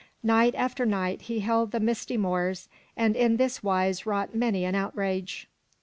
Night after night he held the misty moors, and in this wise wrought many an outrage.